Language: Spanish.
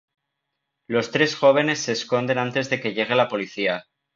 Los tres jóvenes se esconden antes de que llegue la policía.